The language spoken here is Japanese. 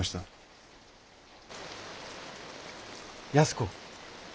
安子。